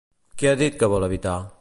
Què ha dit que vol evitar?